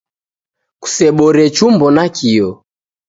Kusebore chumbo nakio.